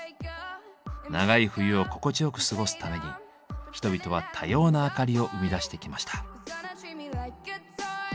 長い冬を心地よく過ごすために人々は多様な明かりを生み出してきました。